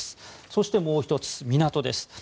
そしてもう１つ、港です。